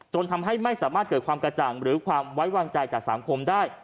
ทำให้ไม่สามารถเกิดความกระจ่างหรือความไว้วางใจจากสังคมได้